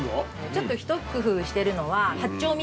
ちょっとひと工夫してるのは八丁味噌。